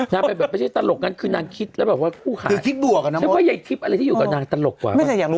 นี่อย่างงั้นเราจ้างพร้อมหาทีมีเจ้าไปด่าได้มั๊ยล่ะ